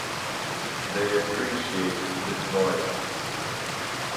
They appreciated his voice.